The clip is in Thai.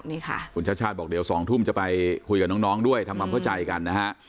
นี่ค่ะคุณชาติชาติบอกเดี๋ยว๒ทุ่มจะไปคุยกับน้องด้วยทำความเข้าใจกันนะฮะ